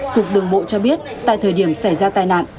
cục đường bộ cho biết tại thời điểm xảy ra tai nạn